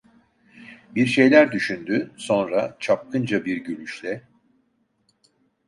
Bir şeyler düşündü, sonra çapkınca bir gülüşle: